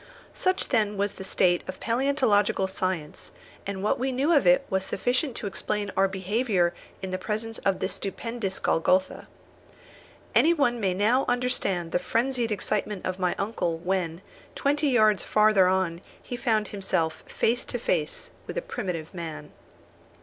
Such then was the state of palæontological science, and what we knew of it was sufficient to explain our behaviour in the presence of this stupendous Golgotha. Any one may now understand the frenzied excitement of my uncle, when, twenty yards farther on, he found himself face to face with a primitive man!